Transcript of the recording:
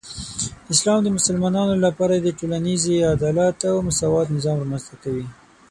اسلام د مسلمانانو لپاره د ټولنیزې عدالت او مساوات نظام رامنځته کوي.